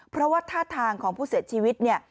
เพราะว่าท่าทางของผู้เสียชีวิตเนี่ย